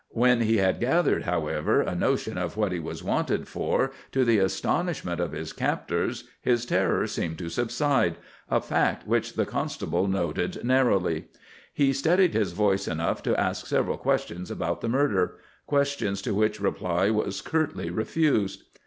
When he had gathered, however, a notion of what he was wanted for, to the astonishment of his captors, his terror seemed to subside—a fact which the constable noted narrowly. He steadied his voice enough to ask several questions about the murder—questions to which reply was curtly refused.